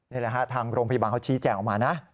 นี่แหละฮะทางโรงพยาบาลเขาชี้แจงออกมานะ